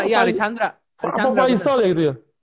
iya ari chandra atau faisal ya gitu